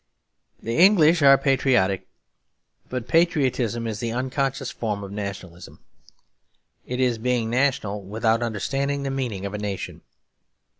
The English are patriotic; but patriotism is the unconscious form of nationalism. It is being national without understanding the meaning of a nation.